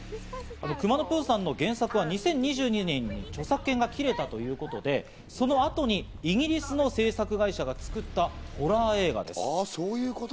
『くまのプーさん』の原作は２０２２年に著作権が切れたということで、そのあとにイギリスの制作会社が作ったホラー映画です。